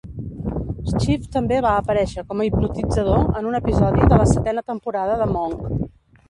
Schiff també va aparèixer com a hipnotitzador en un episodi de la setena temporada de "Monk".